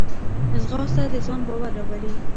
ځغاسته د ځان باور راولي